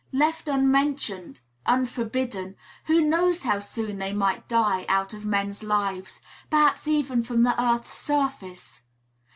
Left unmentioned, unforbidden, who knows how soon they might die out of men's lives, perhaps even from the earth's surface?